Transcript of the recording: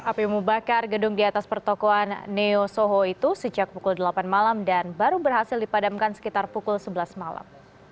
api mubakar gedung di atas pertokoan neo soho itu sejak pukul delapan malam dan baru berhasil dipadamkan sekitar pukul sebelas malam